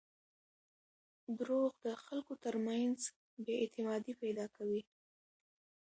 • دروغ د خلکو ترمنځ بېاعتمادي پیدا کوي.